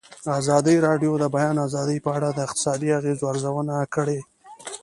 ازادي راډیو د د بیان آزادي په اړه د اقتصادي اغېزو ارزونه کړې.